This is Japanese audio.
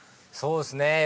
そうですね。